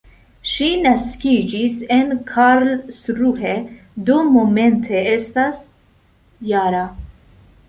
Ŝi naskiĝis en Karlsruhe, do momente estas -jara.